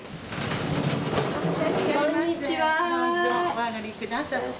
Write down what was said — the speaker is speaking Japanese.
こんにちは。